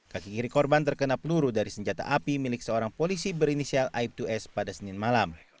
kaki kiri korban terkena peluru dari senjata api milik seorang polisi berinisial aib dua s pada senin malam